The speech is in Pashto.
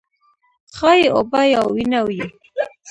ښايي اوبه یا وینه وي.